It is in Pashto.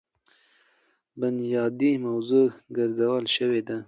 بنيادي موضوع ګرځولے شوې ده.